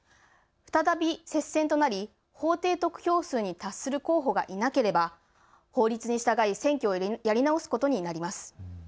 再び接戦となり、法定得票数に達する候補がいなければ法律に従い選挙をやり直すことになります。